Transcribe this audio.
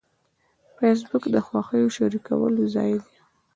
فېسبوک د خوښیو شریکولو ځای دی